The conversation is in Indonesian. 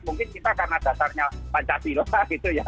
mungkin kita karena dasarnya pancasila gitu ya